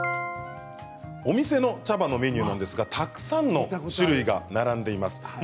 お店の茶葉のメニューがたくさんの種類が並んでいます。